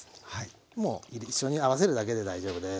もう一緒に合わせるだけで大丈夫です。